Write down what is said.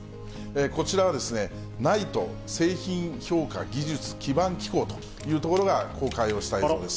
こちらはＮＩＴＥ・製品評価技術基盤機構という所が公開をした映像です。